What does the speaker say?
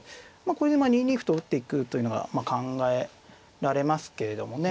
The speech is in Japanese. これで２二歩と打っていくというのが考えられますけれどもね。